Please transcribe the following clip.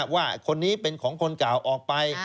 ว่าคนนี้เป็นของคนเก่าออกไป